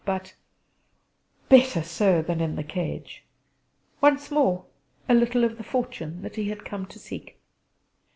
But ... better so than in the cage." Once more, a little of the fortune that he had come to seek!